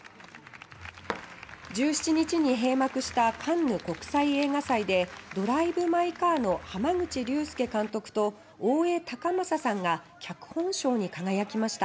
１７日に閉幕したカンヌ国際映画祭で「ドライブ・マイ・カー」の濱口竜介監督と大江崇允さんが脚本賞に輝きました。